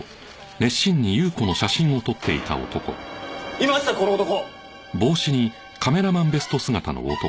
いましたこの男！